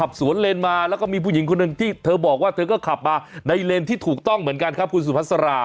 สวนเลนมาแล้วก็มีผู้หญิงคนหนึ่งที่เธอบอกว่าเธอก็ขับมาในเลนที่ถูกต้องเหมือนกันครับคุณสุภาษา